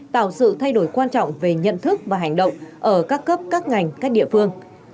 tạo sự thay đổi quan trọng về nhận thức và hành động ở các cấp các ngành các địa phương